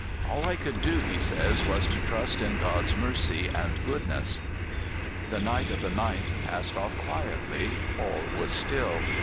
"All I could do," he says, "was to trust in God's mercy and goodness." The night of the 9th passed off quietly all was still.